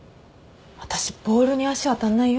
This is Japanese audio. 私ボールに足当たんないよ？